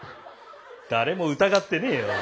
誰も疑ってねえよ！